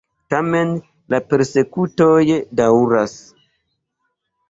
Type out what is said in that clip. Tamen la persekutoj daŭras.